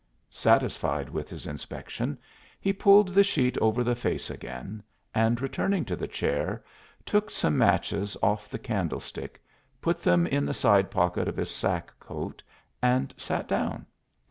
Satisfied with his inspection, he pulled the sheet over the face again and returning to the chair, took some matches off the candlestick, put them in the side pocket of his sack coat and sat down.